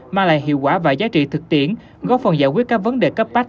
mang lại hiệu quả và giá trị thực tiễn góp phần giải quyết các vấn đề cấp bách